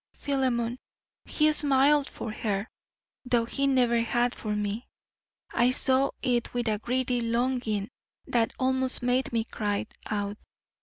Philemon, he smiled for her, though he never had for me. I saw it with a greedy longing that almost made me cry out.